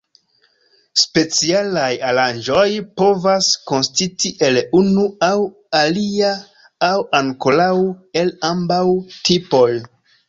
Specialaj aranĝoj povas konsisti el unu aŭ alia aŭ ankoraŭ el ambaŭ tipoj.